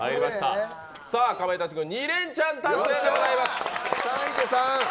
かまいたち軍２レンチャン達成でございます。